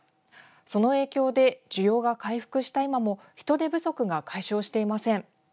その影響で、需要が回復した今も人手不足が解消していません。